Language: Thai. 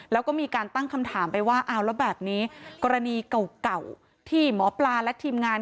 แล้วก็มีการตั้งคำถามไปว่าเอาแล้วแบบนี้กรณีเก่าที่หมอปลาและทีมงาน